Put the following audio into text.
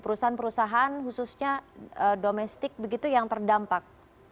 perusahaan perusahaan khususnya domestik begitu yang terdampak